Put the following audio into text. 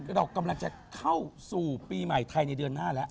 เรากำลังจะเข้าสู่ปีใหม่ไทยในเดือนหน้าแล้ว